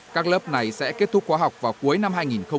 các lớp này sẽ kết thúc khoa học vào cuối năm hai nghìn một mươi chín